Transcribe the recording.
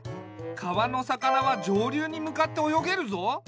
川の魚は上流に向かって泳げるぞ。